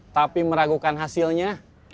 tapi meragukan hasilnya